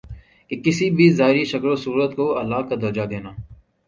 کہ کسی بھی ظاہری شکل و صورت کو الہٰ کا درجہ دینا